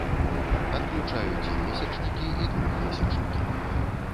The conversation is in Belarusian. Адключаюць і месячнікі, і двухмесячнікі.